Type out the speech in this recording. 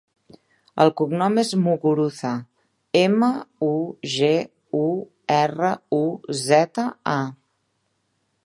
El cognom és Muguruza: ema, u, ge, u, erra, u, zeta, a.